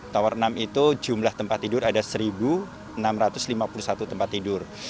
tower enam itu jumlah tempat tidur ada satu enam ratus lima puluh satu tempat tidur